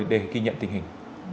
để ghi nhận tình hình